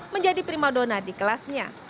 menjadi primadona di kelasnya